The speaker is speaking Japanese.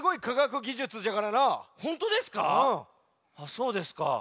そうですか。